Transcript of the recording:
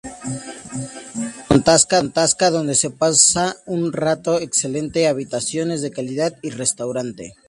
Cuenta con Tasca, donde se pasa un rato excelente, habitaciones de calidad, y Restaurant.